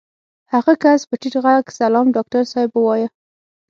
هغه کس په ټيټ غږ سلام ډاکټر صاحب ووايه.